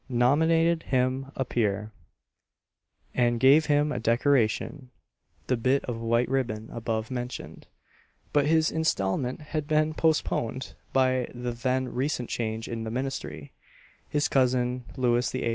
nominated him a peer, and gave him a decoration (the bit of white ribbon above mentioned); but his instalment had been postponed by the then recent change in the ministry; his cousin (Louis XVIII.)